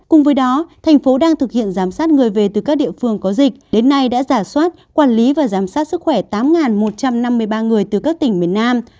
cùng với đó thành phố đang thực hiện giám sát người về từ các địa phương có dịch đến nay đã giả soát quản lý và giám sát sức khỏe tám một trăm năm mươi ba người từ các tỉnh miền nam